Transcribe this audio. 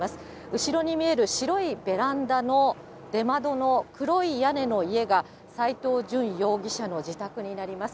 後ろに見える白いベランダの出窓の黒い屋根の家が、斎藤淳容疑者の自宅になります。